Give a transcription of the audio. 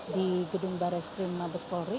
di gedung baria skrim mampis polri